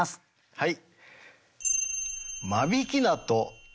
はい。